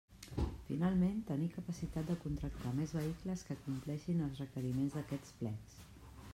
Finalment tenir capacitat de contractar més vehicles que acompleixin els requeriments d'aquests plecs.